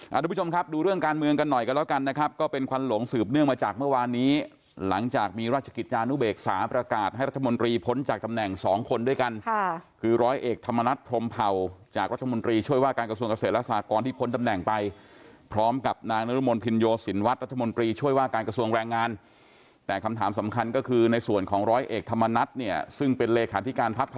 อาทิตย์ผู้ชมครับดูเรื่องการเมืองกันหน่อยกันแล้วกันนะครับก็เป็นควันหลงสืบเนื่องมาจากเมื่อวานนี้หลังจากมีราชกิจยานุเบกสาประกาศให้รัฐมนตรีพ้นจากตำแหน่งสองคนด้วยกันค่ะคือร้อยเอกธรรมนัฐพรมเผ่าจากรัฐมนตรีช่วยว่าการกระทรวงเกษตรและสากรที่พ้นตำแหน่งไปพร้อมกับนางนรมนภิ